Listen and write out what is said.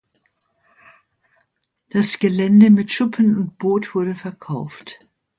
Das Gelände mit Schuppen und Boot wurde verkauft.